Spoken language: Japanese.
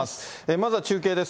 まずは中継です。